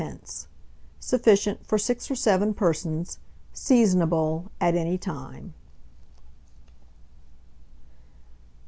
Sufficient for 6 or 7 persons. Seasonable at any time.